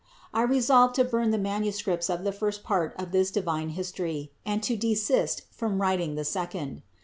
I resolved to burn the manuscripts of the first part of this divine history and to desist from writing the second.